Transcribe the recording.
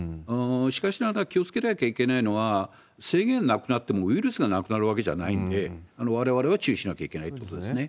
しかしながら気をつけなきゃいけないのは、制限なくなってもウイルスがなくなるわけじゃないんで、われわれは注意しなきゃいけないということですね。